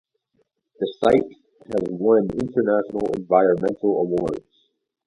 The site has won international environmental awards.